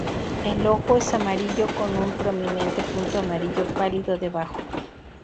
El ojo es amarillo, con un prominente punto amarillo pálido debajo.